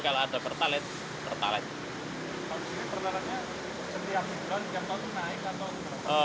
kalau ada pertalite pertalite